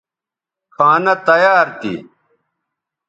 کھانہ تیار تھی